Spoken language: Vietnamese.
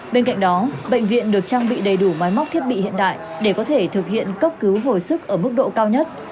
bên cạnh đó bệnh viện được trang bị đầy đủ máy móc thiết bị hiện đại để có thể thực hiện cấp cứu hồi sức ở mức độ cao nhất